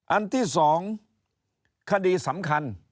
อันที่๒คดีสำคัญ